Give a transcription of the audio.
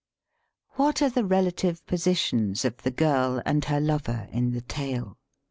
What are the relative positions of the girl and her lover in the "Tale"